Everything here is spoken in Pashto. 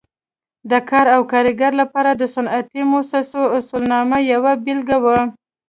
د کار او کارګر لپاره د صنعتي مؤسسو اصولنامه یوه بېلګه وه.